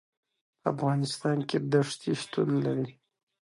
په افغانستان کې دښتې شتون لري.